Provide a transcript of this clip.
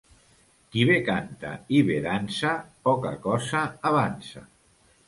Qui bé canta i bé dansa, poca cosa avança.